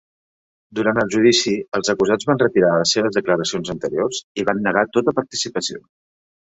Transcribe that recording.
Durant el judici els acusats van retirar les seves declaracions anteriors i van negar tota participació.